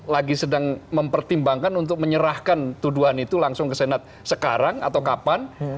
lagi sedang mempertimbangkan untuk menyerahkan tuduhan itu langsung ke senat sekarang atau kapan